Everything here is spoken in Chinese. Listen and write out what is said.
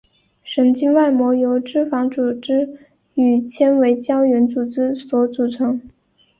神经外膜由脂肪组织与纤维胶原组织所组成。